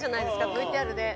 ＶＴＲで。